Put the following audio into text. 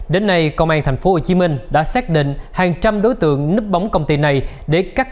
đến nay công an thành phố hồ chí minh đã xác định hàng trăm đối tượng nứt bóng công ty này để cắt